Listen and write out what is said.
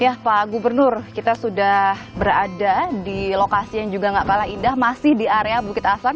ya pak gubernur kita sudah berada di lokasi yang juga gak kalah indah masih di area bukit asap